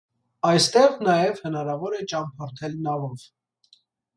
Այստեղ նաև հնարավոր է ճամփորդել նավով։